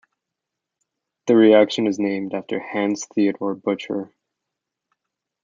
The reaction is named after Hans Theodor Bucherer.